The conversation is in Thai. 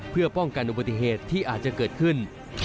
เพื่อป้องกันอุบัติเหตุที่อาจจะเกิดขึ้น